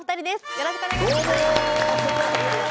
よろしくお願いします。